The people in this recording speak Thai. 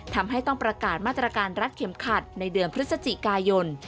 ทำให้ต้องประกาศมาตรการรัดเข็มขัดในเดือนพฤศจิกายน